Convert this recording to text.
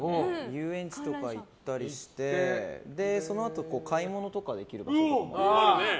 遊園地とか行ったりしてそのあと買い物とかできれば。